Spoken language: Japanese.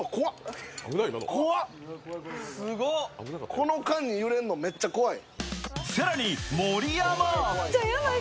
この間に揺れるの、めっちゃ怖い。